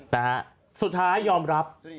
แต่สุดท้ายยอมรับ